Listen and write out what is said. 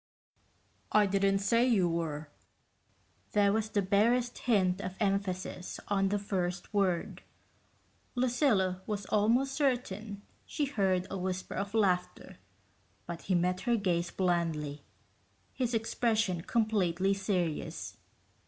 "I didn't say you were." There was the barest hint of emphasis on the first word. Lucilla was almost certain she heard a whisper of laughter, but he met her gaze blandly, his expression completely serious.